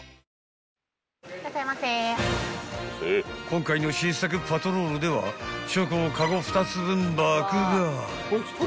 ［今回の新作パトロールではチョコをカゴ２つ分爆買い］